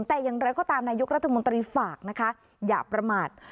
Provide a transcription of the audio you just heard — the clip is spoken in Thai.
แต่อย่างไรก็ตามนายกรัฐมนตรีฝากนะคะอย่าประมาท